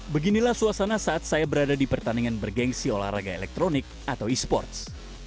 beginilah suasana saat saya berada di pertandingan bergensi olahraga elektronik atau e sports